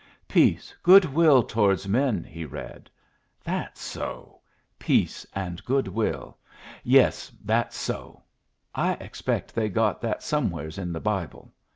"'Peace, good will towards men,'" he read. "That's so. Peace and good will. Yes, that's so. I expect they got that somewheres in the Bible.